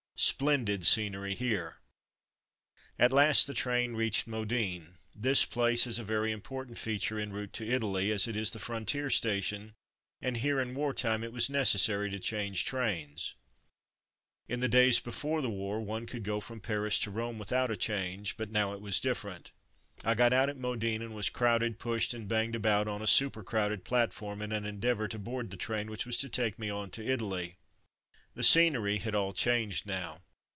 Splendid scenery here. At last the train reached Modane. This place is a very important feature en route to Italy, as it is the frontier station, and here in war time it was necessary to change trains. In 206 En Route to Milan 207 the days before the war one could go from Paris to Rome without a change, but now it was different. I got out at Modane, and was crowded, pushed, and banged about on a super crowded platform, in an endeavour to board the train which was to take me on to Italy. 208 From Mud to Mufti The scenery had all changed now.